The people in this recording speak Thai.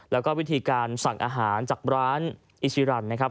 แล้วก็วิธีการสั่งอาหารจากร้านอิชิรันนะครับ